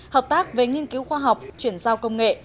hợp tác về nghiên cứu khoa học chuyển giao công nghệ